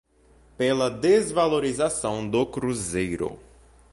pela desvalorização do cruzeiro